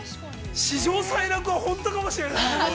◆史上最楽は、本当かもしれない。